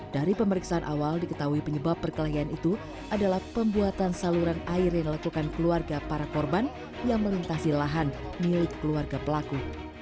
dari pemeriksaan awal diketahui penyebab perkelahian itu adalah pembuatan saluran air yang dilakukan keluarga para korban yang melintasi lahan milik keluarga pelaku